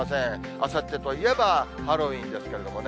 あさってといえばハロウィーンですけどね。